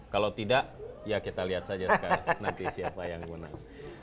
kalau tidak ya kita lihat saja sekarang nanti siapa yang menang